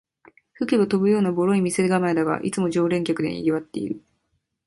吹けば飛ぶようなボロい店構えだが、いつも常連客でにぎわってる